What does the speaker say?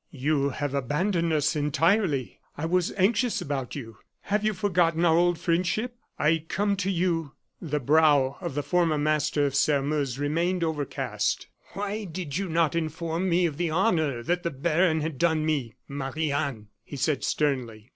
"You have abandoned us entirely; I was anxious about you. Have you forgotten our old friendship? I come to you " The brow of the former master of Sairmeuse remained overcast. "Why did you not inform me of the honor that the baron had done me, Marie Anne?" he said sternly.